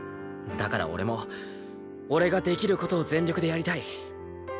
だから俺も俺ができる事を全力でやりたい。